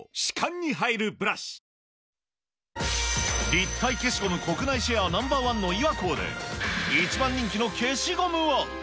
立体消しゴム国内シェアナンバーワンのイワコーで、一番人気の消しゴムは。